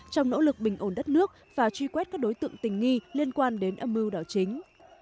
trong nỗ lực bình ổn đất nước và truy quét các đối tượng tình nghi liên quan đến âm mưu đảo chính